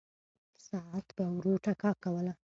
ساعت به ورو ټکا کوله.